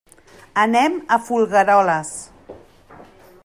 Anem a Folgueroles.